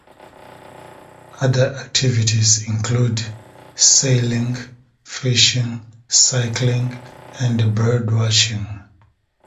Other activities include sailing, fishing, cycling and bird watching.